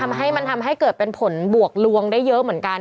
ใช่มันทำให้เกิดผลบวกรวงได้เยอะเหมือนกัน